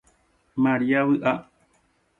Maria vyʼa.